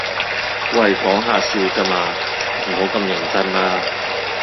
喂講吓笑咋嘛，唔好咁認真啦